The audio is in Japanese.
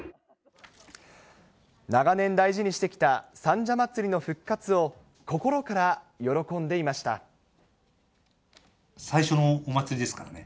長年大事にしてきた三社祭の最初のお祭りですからね。